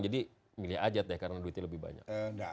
jadi milih ajat deh karena duitnya lebih banyak